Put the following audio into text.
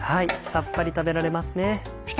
さっぱり食べられますね。